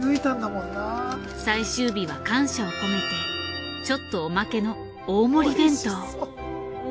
最終日は感謝を込めてちょっとおまけの大盛り弁当。